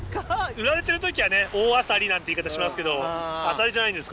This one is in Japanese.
売られてる時は大アサリなんて言い方しますけどアサリじゃないんですこれ。